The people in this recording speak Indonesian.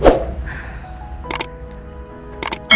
ada apa dok